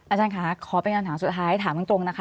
อาจารย์ค่ะขอเป็นคำถามสุดท้ายถามตรงนะคะ